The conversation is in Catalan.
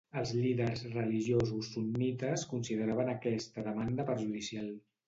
Els líders religiosos sunnites consideraven aquesta demanda perjudicial.